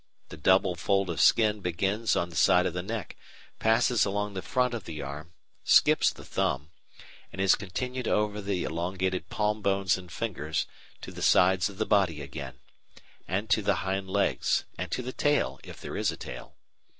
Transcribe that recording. The double fold of skin begins on the side of the neck, passes along the front of the arm, skips the thumb, and is continued over the elongated palm bones and fingers to the sides of the body again, and to the hind legs, and to the tail if there is a tail.